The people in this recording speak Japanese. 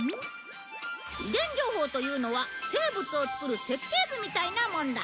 遺伝情報というのは生物をつくる設計図みたいなもんだ。